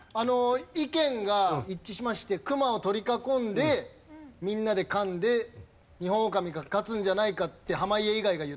意見が一致しましてクマを取り囲んでみんなで噛んでニホンオオカミが勝つんじゃないかって。